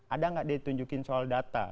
ada nggak dia tunjukin soal data